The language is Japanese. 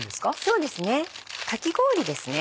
そうですねかき氷ですね。